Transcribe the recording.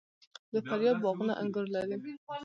د فاریاب باغونه انګور لري.